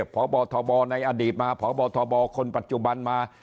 พบทบในอดีตมาพบทบคนปัจจุบันมา